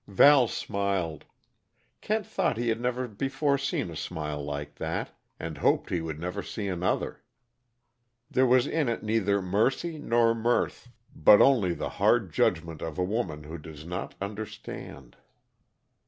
Val smiled. Kent thought he had never before seen a smile like that, and hoped he never would see another. There was in it neither mercy nor mirth, but only the hard judgment of a woman who does not understand.